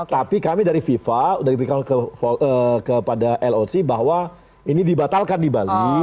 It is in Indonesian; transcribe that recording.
tapi kami dari fifa sudah diberikan kepada loc bahwa ini dibatalkan di bali